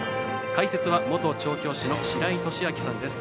解説は元調教師の白井寿昭さんです。